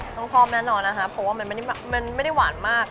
ต้องชอบแน่นอนนะคะเพราะว่ามันไม่ได้หวานมาก